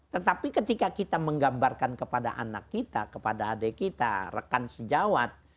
tetapi ketika kita menggambarkan kepada anak kita kepada adik kita rekan sejawat